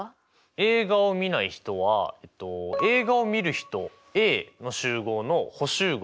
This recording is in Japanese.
映画をみない人は映画をみる人Ａの集合の補集合